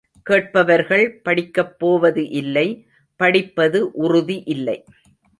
கேட்பவர்கள் படிக்கப்போவது இல்லை படிப்பது உறுதி இல்லை.